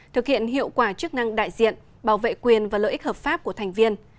thực hiện hiệu quả chức năng đại diện bảo vệ quyền và lợi ích hợp pháp của thành viên